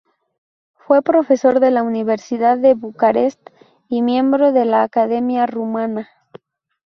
Fue profesor en la Universidad de Bucarest, y miembro de la Academia Rumana.